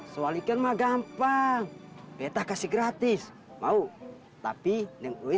soal ikan mah gampang betah kasih gratis mau tapi